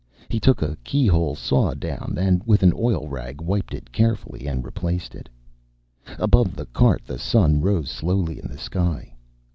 He took a key hole saw down, and with an oil rag wiped it carefully and replaced it. Above the cart the sun rose slowly in the sky.